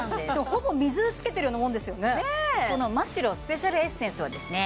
ほぼ水つけてるようなもんですよねねえこのマ・シロスペシャルエッセンスはですね